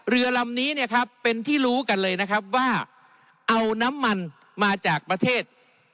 เรือลำนี้เนี่ยครับเป็นที่รู้กันเลยนะครับว่าเอาน้ำมันมาจากประเทศ